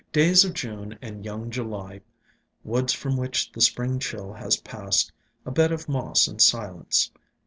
Days of June and young July, woods from which the Spring chill has passed, a bed of moss and silence.